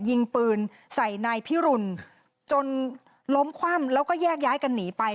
ยิงปืนใส่นายพิรุณจนล้มคว่ำแล้วก็แยกย้ายกันหนีไป